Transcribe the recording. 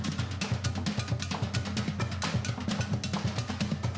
itu baru ayam sama buaya